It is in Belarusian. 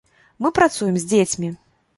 Мы працуем з дзецьмі.